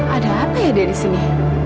ada apa ya dia disini